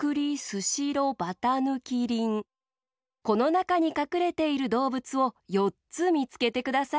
このなかにかくれているどうぶつをよっつみつけてください。